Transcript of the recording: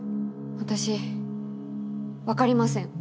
私分かりません。